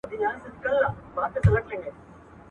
o په هره تياره پسې رڼا ده.؟